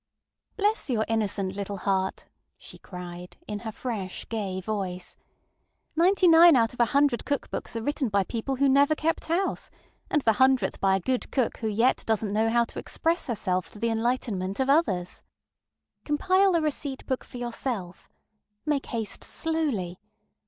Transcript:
ŌĆ£Bless your innocent little heart! ŌĆØ she cried, in her fresh, gay voice, ŌĆ£Ninety nine out of a hundred cookbooks are written by people who never kept house, and the hundredth by a good cook who yet doesnŌĆÖt know how to express herself to the enlightenment of others. Compile a receipt book for yourself. Make haste slowly.